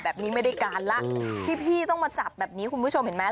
แบบนี้ไม่ได้การละพี่ต้องมาจับแบบนี้คุณผู้ชมเห็นไหม